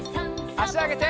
あしあげて。